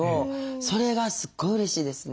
それがすごいうれしいですね。